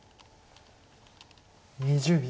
２０秒。